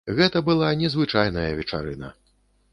Гэта была незвычайная вечарына.